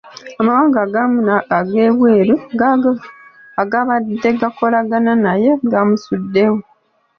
Amawanga agamu ag'ebweru agabadde gakolagana naye gamusuddewo.